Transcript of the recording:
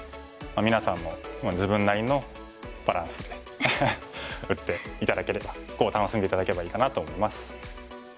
みなさんも自分なりのバランスで打って頂ければ碁を楽しんで頂ければいいかなと思います。